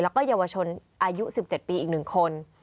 แล้วก็เยาวชนอายุ๑๗ปีอีก๑คน